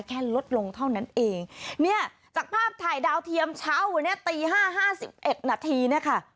ลดลงเท่านั้นเองเนี่ยจากภาพถ่ายดาวเทียมเช้าวันนี้ตีห้าห้าสิบเอ็ดนาทีเนี่ยค่ะ